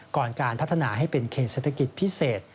การพัฒนาให้เป็นเขตเศรษฐกิจพิเศษ